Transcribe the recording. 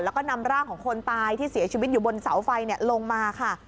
แล้วก็นำร่างของคนตายที่เสียชีวิตอยู่บนเสาไฟลงมาค่ะ